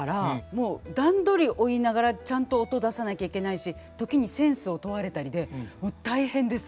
もう段取り追いながらちゃんと音出さなきゃいけないし時にセンスを問われたりでもう大変です